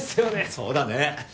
そうだね。